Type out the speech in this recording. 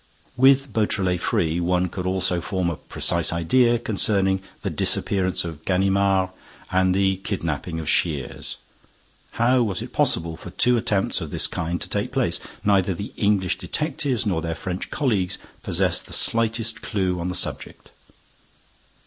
With Beautrelet free, one could also form a precise idea concerning the disappearance of Ganimard and the kidnapping of Shears. How was it possible for two attempts of this kind to take place? Neither the English detectives nor their French colleagues possessed the slightest clue on the subject.